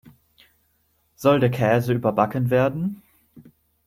Soll der Käse überbacken werden?